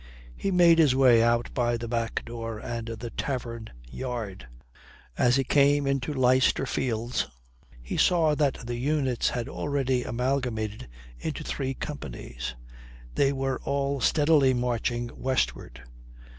He made his way out by the back door and the tavern yard. As he came into Leicester Fields, he saw that the units had already amalgamated into three companies. They were all steadily marching westward.